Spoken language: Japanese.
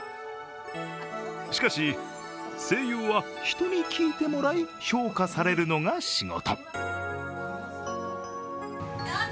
しかし、声優は人に聞いてもらい評価されるのが仕事。